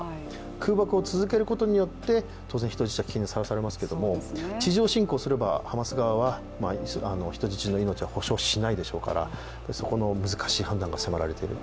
空爆を続けることによって当然、人質は危機にさらされますけども地上侵攻すればハマス側は人質の命は保証しないでしょうからそこの難しい判断が迫られている。